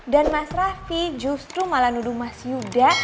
dan mas raffi justru malah nuduh mas yuda